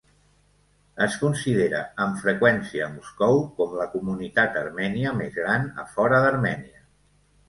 Es considera amb freqüència a Moscou com la comunitat armènia més gran a fora d'Armènia.